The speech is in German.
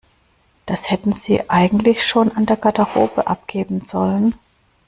Das hätten Sie eigentlich schon an der Garderobe abgeben sollen.